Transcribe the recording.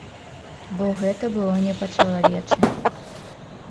Бо гэта было не па-чалавечы.